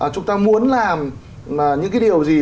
chúng ta muốn làm những cái điều gì